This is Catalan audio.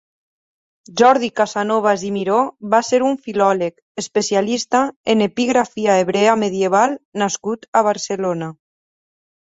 Jordi Casanovas i Miró va ser un filòleg, especialista en epigrafia hebrea medieval nascut a Barcelona.